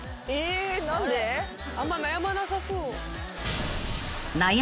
あんま悩まなさそう。